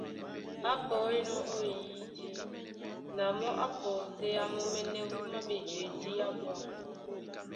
Á pɔínɔ̄ ó eyídí, na mɔ́ á pɔséá mɔ́mɛ́nɛ́ wúma á ɓejedí yá ɓwâm,